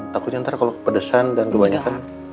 takutnya ntar kalau kepedesan dan kebanyakan